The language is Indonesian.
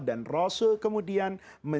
dan rasul kemudian